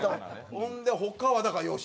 ほんで他はだから吉本か。